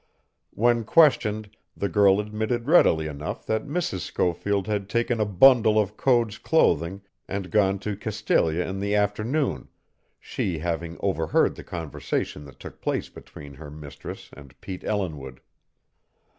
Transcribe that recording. When questioned the girl admitted readily enough that Mrs. Schofield had taken a bundle of Code's clothing and gone to Castalia in the afternoon, she having overheard the conversation that took place between her mistress and Pete Ellinwood.